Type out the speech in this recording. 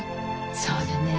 そうだね。